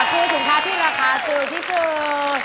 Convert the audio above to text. คือสินค้าที่ราคาถูกที่สุด